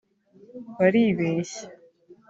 baribeshya